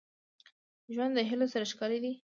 • ژوند د هيلو سره ښکلی دی.